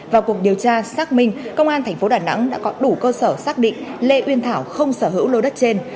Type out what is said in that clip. vào cuộc điều tra xác minh công an tp đà nẵng đã có đủ cơ sở xác định lê uyên thảo không sở hữu lô đất trên